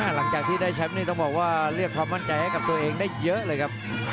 หลังจากที่ได้แชมป์นี่ต้องบอกว่าเรียกความมั่นใจให้กับตัวเองได้เยอะเลยครับ